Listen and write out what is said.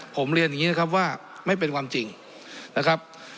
ผมเรียนอย่างนี้นะครับว่าไม่เป็นความจริงนะครับ